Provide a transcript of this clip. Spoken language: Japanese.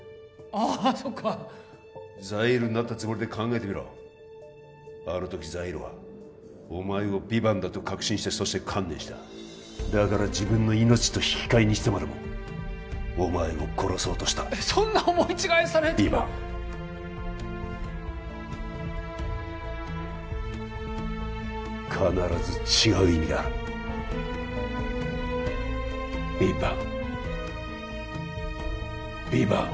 ああそっかザイールになったつもりで考えてみろあの時ザイールはお前をヴィヴァンだと確信してそして観念しただから自分の命と引き換えにしてまでもお前を殺そうとしたえっそんな思い違いされてもヴィヴァン必ず違う意味があるヴィヴァンヴィヴァン